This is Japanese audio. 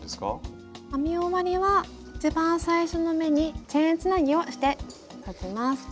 編み終わりは一番最初の目にチェーンつなぎをしておきます。